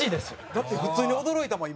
だって普通に驚いたもん